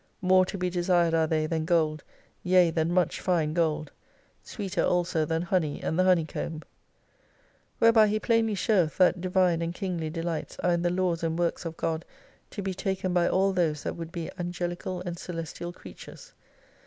More to be desired are they than gold, yea, than much fine gold; sweeter also than honey and the honeycomb Whereby he plainly showeth that Divine and Kingly delights are in the laws and works of God to be taken by all those that would be angelical and celestial creatures.